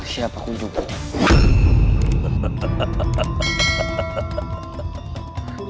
siapa kucuk putih